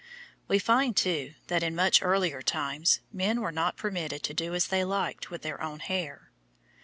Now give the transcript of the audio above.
We find, too, that in much earlier times, men were not permitted to do as they liked with their own hair.